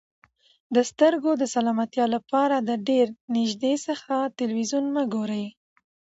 د سترګو د سلامتیا لپاره د ډېر نږدې څخه تلویزیون مه ګورئ.